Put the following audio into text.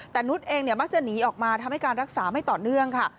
แต่นุษย์เองเนี่ยมักจะหนีออกมาทำให้การรักษาไม่ต่อเนื่องค่ะ